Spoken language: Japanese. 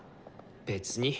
別に。